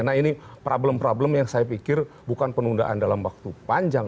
nah ini problem problem yang saya pikir bukan penundaan dalam waktu panjang